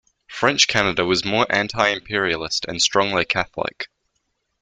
French Canada was more anti-imperialist and strongly Catholic.